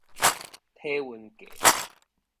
體溫計